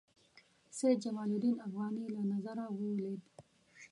سید جمال الدین افغاني له نظره ولوېد.